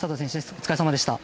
お疲れさまでした。